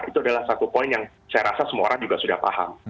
itu adalah satu poin yang saya rasa semua orang juga sudah paham